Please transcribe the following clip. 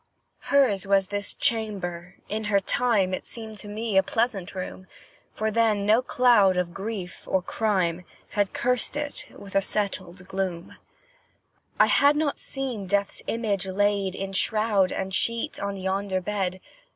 Hers was this chamber; in her time It seemed to me a pleasant room, For then no cloud of grief or crime Had cursed it with a settled gloom; I had not seen death's image laid In shroud and sheet, on yonder bed.